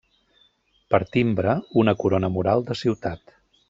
Per timbre, una corona mural de ciutat.